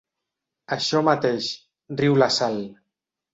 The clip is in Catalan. Això mateix, riu la Sal.